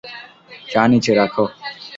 চা নীচে রাখ।